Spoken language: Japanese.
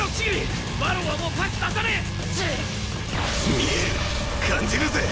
見える！感じるぜ！